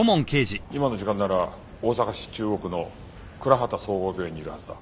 今の時間なら大阪市中央区の蔵幡総合病院にいるはずだ。